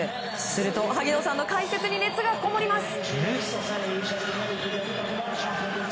すると、萩野さんの解説に熱がこもります。